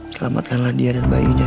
selamatkanlah dia dan bayinya